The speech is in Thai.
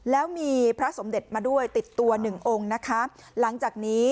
แล้วมีพระสมเด็จมาด้วยติดตัวหนึ่งองค์นะคะหลังจากนี้